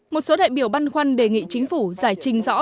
một số đại biểu băn khoăn đề nghị chính phủ giải trình rõ